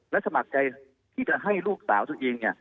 และสมัครใจที่จะให้ลูกสาวตัวเอง